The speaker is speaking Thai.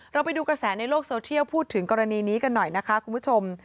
ไปดูกระแสในโลกโซเทียลพูดถึงกรณีนี้กันหน่อยนะคะคุณผู้ชม